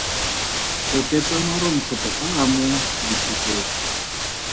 Oketsa maronthorontho a a mo diphukeng.